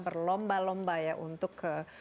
berlomba lomba ya untuk